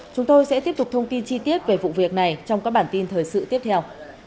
chúng tôi sẽ tiếp tục thông tin chi tiết về vụ việc này trong các bản tin thời sự tiếp theo